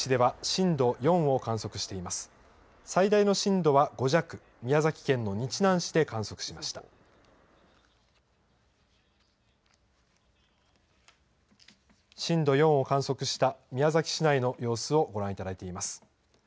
震度４を観測した宮崎市内の様子をご覧いただいています。